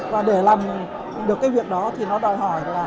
và để làm được cái việc đó thì nó đòi hỏi là đất nước chúng ta phải